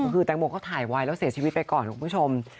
คือแตงโมเขาถ่ายไว้แล้วเสียชีวิตไปก่อนคุณผู้ชม